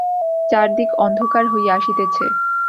চারিদিক অন্ধকার হইয়া আসিতেছে।